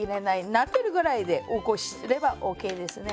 なでるぐらいで起こせばＯＫですね。